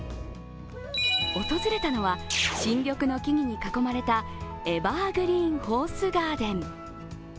訪れたのは新緑の木々に囲まれたエバーグリーンホースガーデン。